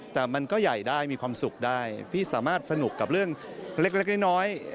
แต่มันก็ใหญ่ได้มีความสุขได้พี่สามารถสนุกกับเรื่องเล็กน้อย